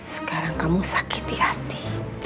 sekarang kamu sakiti adi